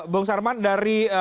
bong sarman dari